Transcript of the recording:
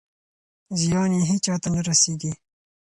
زیان یې هېچا ته نه رسېږي.